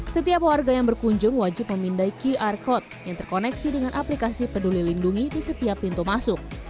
setiap warga yang berkunjung wajib memindai qr code yang terkoneksi dengan aplikasi peduli lindungi di setiap pintu masuk